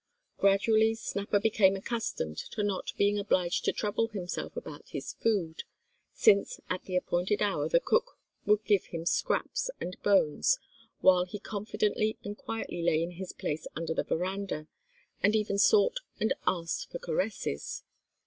Gradually Snapper became accustomed to not being obliged to trouble himself about his food, since at the appointed hour the cook would give him scraps and bones, while he confidently and quietly lay in his place under the verandah, and even sought and asked for caresses.